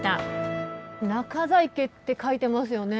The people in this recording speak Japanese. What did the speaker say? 中在家って書いてますよね。